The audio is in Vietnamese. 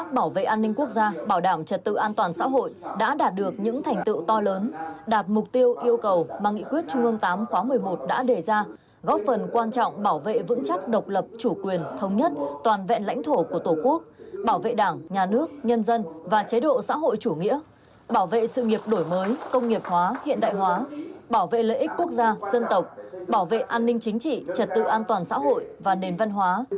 bảo vệ sự nghiệp đổi mới công nghiệp hóa hiện đại hóa bảo vệ lợi ích quốc gia dân tộc bảo vệ an ninh chính trị trật tự an toàn xã hội và nền văn hóa